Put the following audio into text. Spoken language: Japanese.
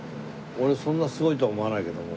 俺そんなすごいとは思わないけども。